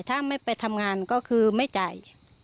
ถ้าไม่ไปทำงานก็คือไม่จ่าย